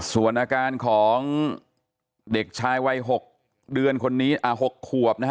ส่วนอาการของเด็กชายวัย๖เดือนคนนี้๖ขวบนะฮะ